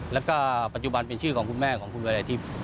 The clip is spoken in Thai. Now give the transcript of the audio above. แล้วก็ปัจจุบันเป็นชื่อของคุณแม่ของคุณวรัยทิพย์